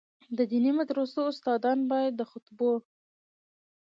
د دیني مدرسو استادان باید د خطبو.